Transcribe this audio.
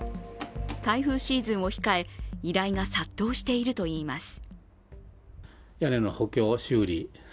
台風シーズンを控え依頼が殺到しているといいます。